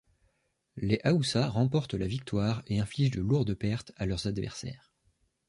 Les Haoussas remportent la victoire et infligent de lourdes pertes à leurs adversaires.